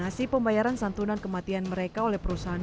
ngasih pembayaran santunan kematian mereka oleh perusahaan